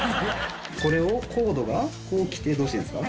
これをコードがこう来てどうしてるんですか？